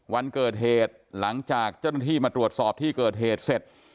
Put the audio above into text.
วันเกิดเหตุหลังจากเจ้าหน้าที่มาตรวจสอบที่เกิดเหตุเสร็จ